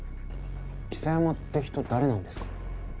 象山って人誰なんですか？